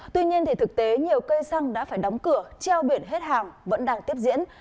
tuy nhiên thực tế nhiều cây xăng đã phải đóng cửa treo biển hết hàng vẫn đang tiếp diễn